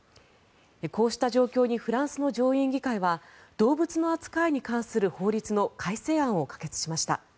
こうした状況にフランスの上院議会は動物の扱いに関する法律の改正案を可決しました。